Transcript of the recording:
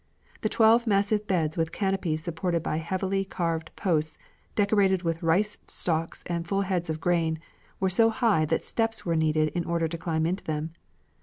The twelve massive beds with canopies supported by heavily carved posts, decorated with rice stalks and full heads of grain, were so high that steps were needed in order to climb into them.